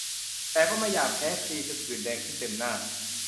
แต่ก็ไม่อยากแพ้ครีมจนผื่นแดงขึ้นเต็มหน้า